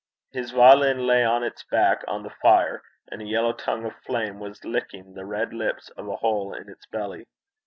His violin lay on its back on the fire, and a yellow tongue of flame was licking the red lips of a hole in its belly.